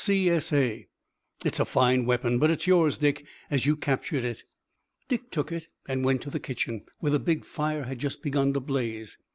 W., C.S.A.' It's a fine weapon, but it's yours, Dick, as you captured it." Dick took it and went to the kitchen, where the big fire had just begun to blaze.